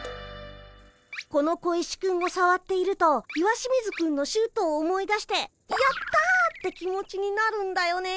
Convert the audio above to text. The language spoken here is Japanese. この小石くんをさわっていると石清水くんのシュートを思い出してやった！って気持ちになるんだよね。